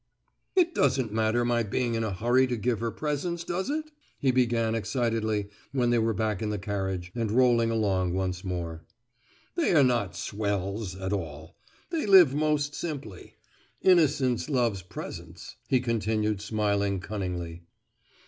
"It doesn't matter, my being in a hurry to give her presents, does it?" he began excitedly, when they were back in the carriage, and rolling along once more. "They are not 'swells' at all; they live most simply. Innocence loves presents," he continued, smiling cunningly.